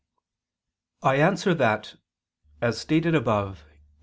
I answer that, As stated above (Q.